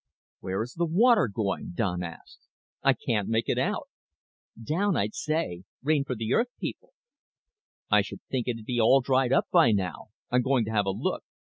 "Where is the water going?" Don asked. "I can't make it out." "Down, I'd say. Rain for the Earth people." "I should think it'd be all dried up by now. I'm going to have a look."